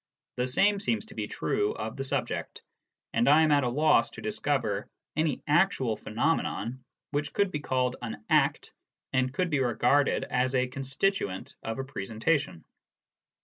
The same seems to be true of the subject, and I am at a loss to discover any actual phenomenon which could be called an "act" and could be regarded as a constituent of a presentation.